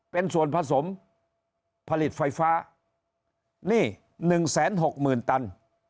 เป็นส่วนผสมผลิตไฟฟ้า๑แสน๖หมื่นตัน